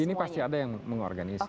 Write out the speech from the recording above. ini pasti ada yang mengorganisir